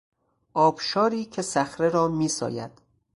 آبشاری که صخره را میساید